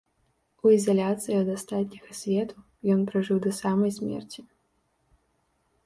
У ізаляцыі ад астатняга свету ён пражыў да самай смерці.